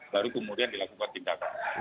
lalu kemudian dilakukan tindakan